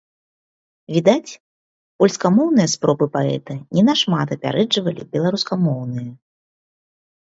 Відаць, польскамоўныя спробы паэта не на шмат апярэджвалі беларускамоўныя.